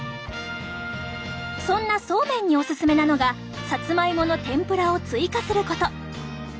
そんなそうめんにおすすめなのがさつまいもの天ぷらを追加すること！